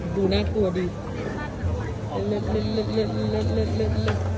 ดูน่ากลัวดิ